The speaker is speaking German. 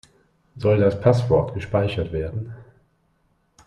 Soll das Passwort gespeichert werden?